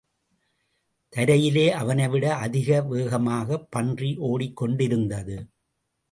தரையிலே அவனைவிட அதிக வேகமாகப் பன்றி ஓடிக்கொண்டிருந்தது.